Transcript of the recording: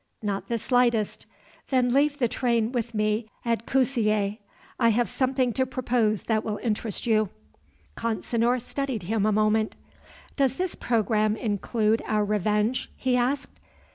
"Not the slightest." "Then leave the train with me at Kusiyeh. I have something to propose that will interest you." Consinor studied him a moment. "Does this program include our revenge?" he asked.